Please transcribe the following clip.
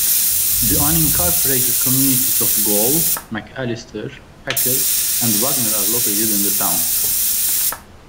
The unincorporated communities of Goll, McAllister, Packard, and Wagner are located in the town.